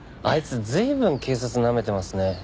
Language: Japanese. あいつ随分警察なめてますね。